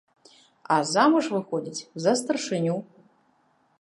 А замуж выходзіць за старшыню!